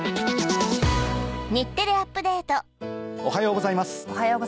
おはようございます。